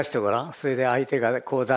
それで相手がこう出した。